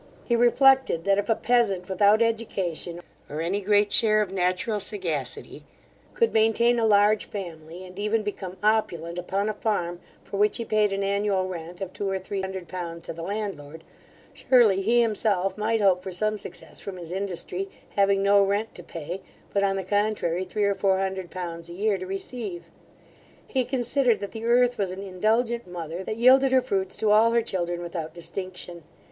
He reflected, that if a peasant without education, or any great share of natural sagacity, could maintain a large family, and even become opulent upon a farm, for which he payed an annual rent of two or three hundred pounds to the landlord, surely he himself might hope for some success from his industry, having no rent to pay, but, on the contrary, three or four hundred pounds a year to receive. He considered, that the earth was an indulgent mother, that yielded her fruits to all her children without distinction.